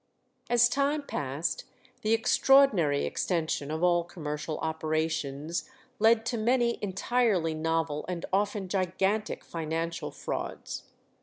As time passed, the extraordinary extension of all commercial operations led to many entirely novel and often gigantic financial frauds.